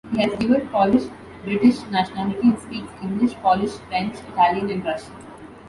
He has dual Polish-British nationality and speaks English, Polish, French, Italian and Russian.